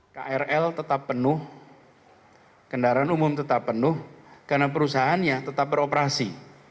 krl tetap penuh kendaraan umum tetap penuh karena perusahaannya tetap beroperasi